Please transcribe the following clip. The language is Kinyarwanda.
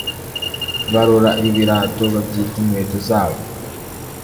Barora ibirato babyita inkweto zabo